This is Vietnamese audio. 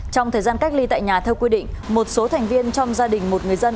trong thời gian cách ly tại nhà theo quy định một số thành viên trong gia đình một người dân